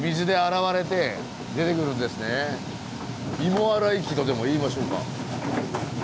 芋洗い機とでもいいましょうか。